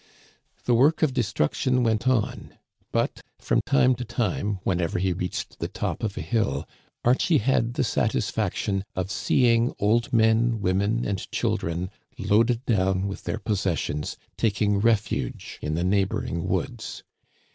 The work of destruction went on ; but from time to time, whenever he reached the top of a hill, Archie had the satisfaction of seeing old men, women, and children, loaded down with their possessions, taking refuge in the neighboring woods.